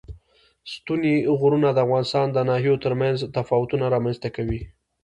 ستوني غرونه د افغانستان د ناحیو ترمنځ تفاوتونه رامنځ ته کوي.